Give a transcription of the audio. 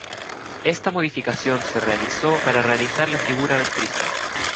Esta modificación se realizó para realizar la figura del Cristo.